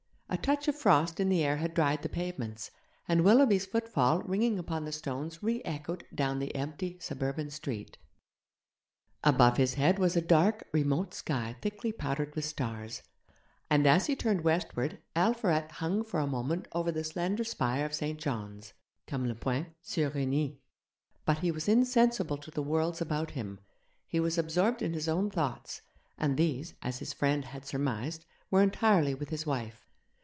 A touch of frost in the air had dried the pavements, and Willoughby's footfall ringing upon the stones re echoed down the empty suburban street. Above his head was a dark, remote sky thickly powdered with stars, and as he turned westward Alpherat hung for a moment 'comme le point sur un i', over the slender spire of St John's. But he was insensible to the worlds about him; he was absorbed in his own thoughts, and these, as his friend had surmised, were entirely with his wife.